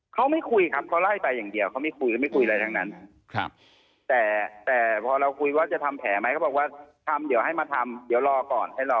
เขาไม่คุยครับเขาไล่ไปอย่างเดียวเขาไม่คุยไม่คุยอะไรทั้งนั้นแต่แต่พอเราคุยว่าจะทำแผลไหมเขาบอกว่าทำเดี๋ยวให้มาทำเดี๋ยวรอก่อนให้รอ